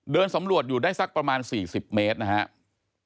สำรวจอยู่ได้สักประมาณ๔๐เมตรนะครับ